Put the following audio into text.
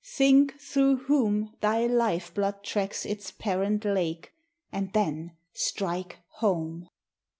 Think through whom Thy life blood tracks its parent lake, And then strike home!